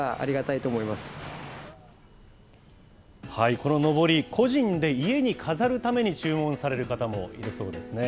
こののぼり、個人で家に飾るために注文する方もいるそうですね。